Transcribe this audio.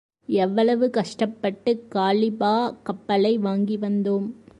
எவ்வளவு கஷ்டப்பட்டு காலிபா கப்பலை வாங்கி வந்தோம்.